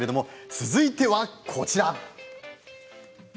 続いてはこちらです。